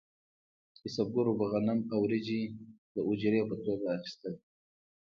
کسبګرو به غنم او وریجې د اجورې په توګه اخیستل.